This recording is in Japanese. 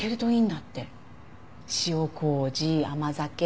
塩麹甘酒。